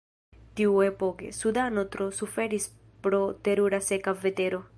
Tiuepoke, Sudano tro suferis pro terura seka vetero.